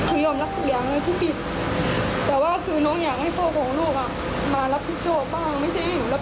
เออเ฀็มเจ้าก็ไม่อะไรนะครับ